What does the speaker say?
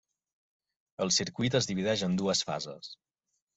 El Circuit es divideix en dues fases.